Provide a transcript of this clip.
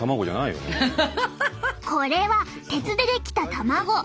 これは鉄で出来た卵。